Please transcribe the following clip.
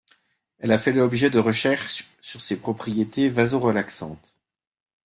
Elle a fait l'objet de recherches sur ses propriétés vasorelaxantes.